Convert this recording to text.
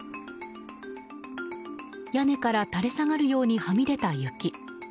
屋根から垂れ下がるようにはみ出た雪。